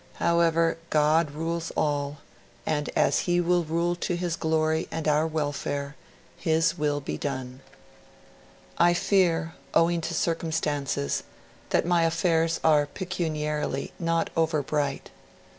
However, God rules all, and, as He will rule to His glory and our welfare, His will be done. I fear, owing to circumstances, that my affairs are pecuniarily not over bright